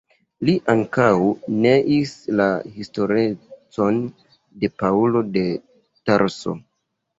Li ankaŭ neis la historecon de Paŭlo de Tarso.